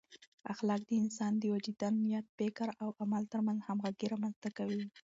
اخلاق د انسان د وجدان، نیت، فکر او عمل ترمنځ همغږۍ رامنځته کوي.